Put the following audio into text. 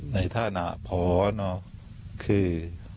ในถ้านะพอเนาะคือ